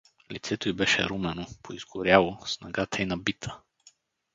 Лицето й беше румено, поизгоряло, снагата й набита.